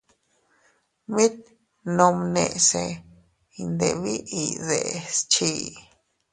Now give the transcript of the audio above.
Mit nomnese iyndebiʼiy deʼes chii.